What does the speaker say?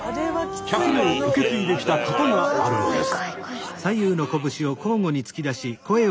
１００年受け継いできた型があるのです。